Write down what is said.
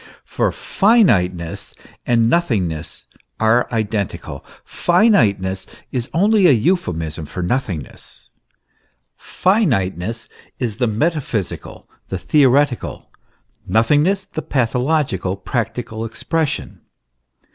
For finiteness and nothingness are identical; finiteness is only a euphemism for nothingness. Finiteness is the metaphysical, the theoretical nothingness the pathological, practical expression.